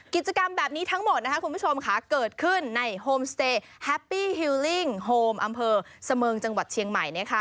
กิจกรรมแบบนี้ทั้งหมดนะคะคุณผู้ชมค่ะเกิดขึ้นในโฮมสเตย์แฮปปี้ฮิวลิ่งโฮมอำเภอเสมิงจังหวัดเชียงใหม่นะคะ